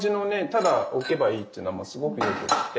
ただ置けばいいっていうのはもうすごくよくて。